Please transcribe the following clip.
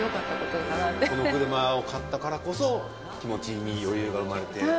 この車を買ったからこそ気持ちに余裕が生まれて。